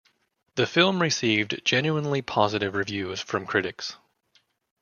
The film received genuinely positive reviews from critics.